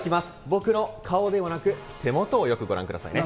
僕の顔ではなく、手元をよくご覧くださいね。